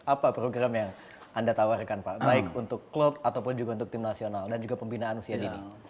apa program yang anda tawarkan pak baik untuk klub ataupun juga untuk tim nasional dan juga pembinaan usia dini